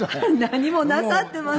「何もなさってません」。